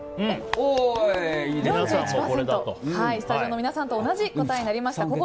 スタジオの皆さんと同じ答えになりました。